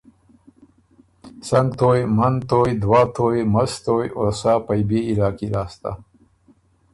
سنګ تویٛ، منتویٛ، دوه تویٛ، مستویٛ او سا پئ بيې علاقي لاسته